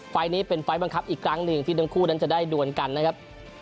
นี้เป็นไฟล์บังคับอีกครั้งหนึ่งที่ทั้งคู่นั้นจะได้ดวนกันนะครับ